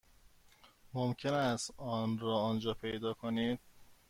ممکن است آن را آنجا پیدا کنید.